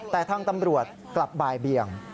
แต่ทางตำรวจกลับบ่ายเบียง